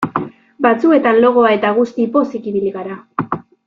Batzuetan logoa eta guzti pozik ibili gara.